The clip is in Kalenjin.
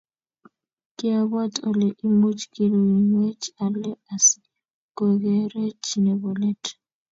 Kiabwaat ole imuch kiruiywech alake asi kokerech nebo let.